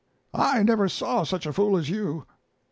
I never saw such a fool as you.